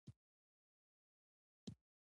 هغوی د خوښ شمیم سره په باغ کې چکر وواهه.